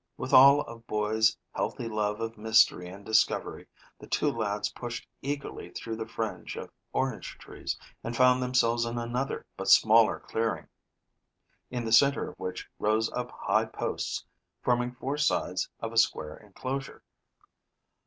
With all of boys' healthy love of mystery and discovery, the two lads pushed eagerly through the fringe of orange trees and found themselves in another but smaller clearing, in the center of which rose up high posts, forming four sides of a square enclosure.